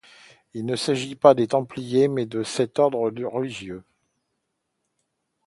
Il ne s'agit pas des templiers mais de cet ordre religieux.